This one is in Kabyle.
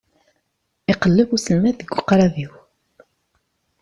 Iqelleb uselmad deg uqrab-iw.